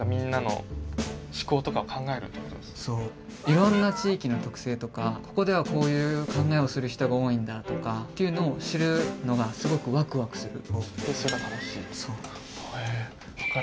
いろんな地域の特性とかここではこういう考えをする人が多いんだとかというのを知るのがすごくワクワクする。